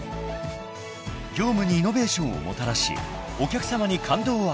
［業務にイノベーションをもたらしお客さまに感動を与える］